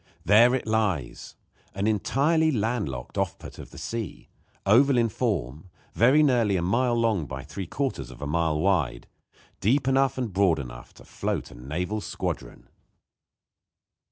There it lies, an entirely land locked off put of the sea, oval in form, very nearly a mile long by three quarters of a mile wide, deep enough and broad enough to float a naval squadron.